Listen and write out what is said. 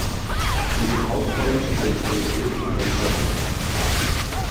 In den Hauptrollen spielen Sally Field und Ben Chaplin.